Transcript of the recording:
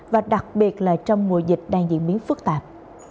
và đặc biệt là trong mùa dịch đang diễn biến phức tạp